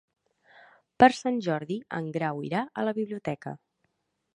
Per Sant Jordi en Grau irà a la biblioteca.